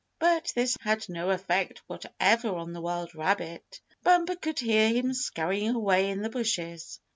But this had no effect whatever on the wild rabbit. Bumper could hear him scurrying away in the bushes.